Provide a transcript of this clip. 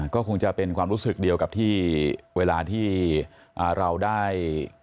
ก็คงจะเป็นความรู้สึกเดียวกับที่เวลาที่เราได้